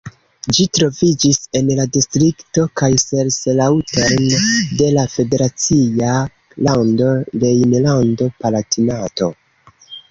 Ĝi troviĝis en la distrikto Kaiserslautern de la federacia lando Rejnlando-Palatinato.